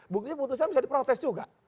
buktinya putusan bisa diprotes juga